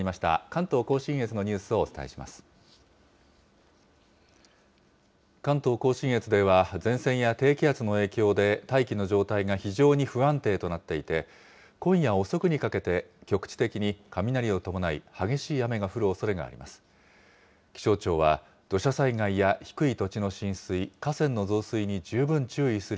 関東甲信越では前線や低気圧の影響で、大気の状態が非常に不安定となっていて、今夜遅くにかけて、局地的に雷を伴い、激しい雨が降るおそれがあります。